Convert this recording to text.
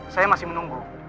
saya masih menunggu